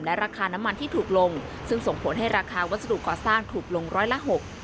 และราคาน้ำมันที่ถูกลงซึ่งส่งผลให้ราคาวัสดุก่อสร้างถูกลงร้อยละหก